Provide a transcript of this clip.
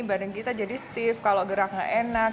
badan kita jadi stiff kalau gerak gak enak